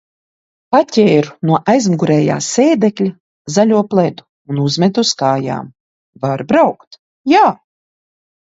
Paķēru no aizmugurējā sēdekļa zaļo pledu un uzmetu uz kājām. Var braukt? Jā!